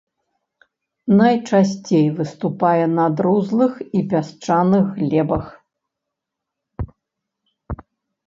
Найчасцей выступае на друзлых і пясчаных глебах.